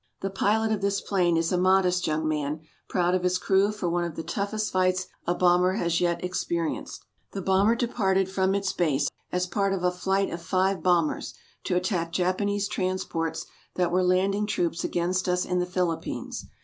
The pilot of this plane is a modest young man, proud of his crew for one of the toughest fights a bomber has yet experienced. The bomber departed from its base, as part or a flight of five bombers, to attack Japanese transports that were landing troops against us in the Philippines.